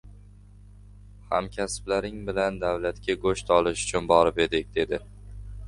— Hamkasblarning bilan davlatga go‘sht olish uchun borib edik, — dedi.